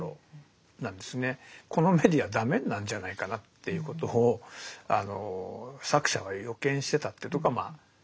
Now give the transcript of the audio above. このメディアダメになるんじゃないかなっていうことを作者は予見してたっていうとこがまあ。